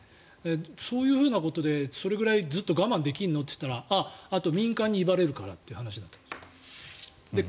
そういうことでそれぐらいずっと我慢できるの？って言ったらあと民間に威張れるからって話だったんですよ。